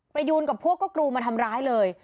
ยูนกับพวกก็กรูมาทำร้ายเลย